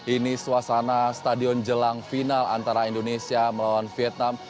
ini suasana stadion jelang final antara indonesia melawan vietnam